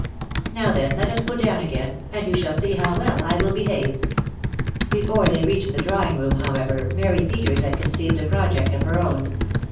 •.. Now, then,. let us go down again, and you shall see how well { wflT behave." Before they reached the drawing room, however, Mary Peters had conceived a project of her own.